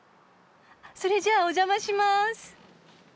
それじゃあお邪魔します。